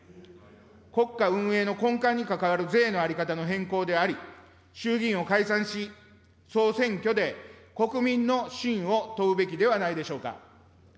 国家運営の根幹に関わる税の在り方の変更であり、衆議院を解散し、総選挙で国民の信を問うべきではないでしょうか。